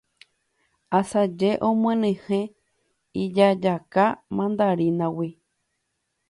asaje omyenyhẽ ijajaka mandarínagui